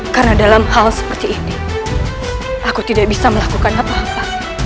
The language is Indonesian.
karena dalam hal seperti ini aku tidak bisa melakukan apa apa